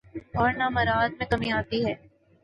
اورنہ مراعات میں کمی آتی ہے۔